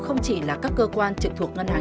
không chỉ là các cơ quan trực thuộc ngân hàng